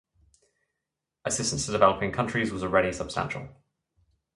Assistance to developing countries was already substantial.